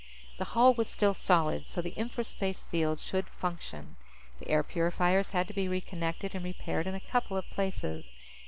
The hull was still solid, so the infraspace field should function. The air purifiers had to be reconnected and repaired in a couple of places.